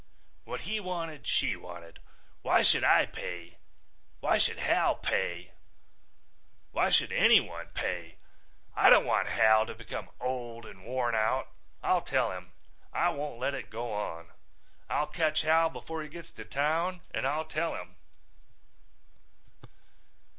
What he wanted she wanted. Why should I pay? Why should Hal pay? Why should anyone pay? I don't want Hal to become old and worn out. I'll tell him. I won't let it go on. I'll catch Hal before he gets to town and I'll tell him."